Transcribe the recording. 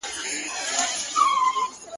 واه پيره; واه; واه مُلا د مور سيدې مو سه; ډېر;